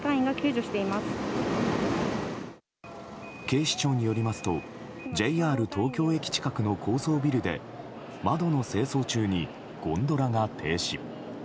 警視庁によりますとＪＲ東京駅近くの高層ビルで窓の清掃中にゴンドラが停止。